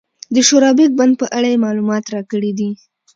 د شورابک بند په اړه یې معلومات راکړي دي.